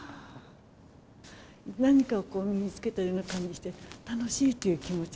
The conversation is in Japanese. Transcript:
何かを身につけているような感じがして、楽しいっていう気持ち。